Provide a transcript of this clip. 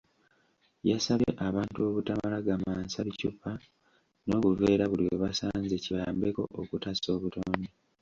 Yasabye abantu obutamala gamansa bucupa n’obuveera buli we basanze kiyambeko okutaasa obutonde.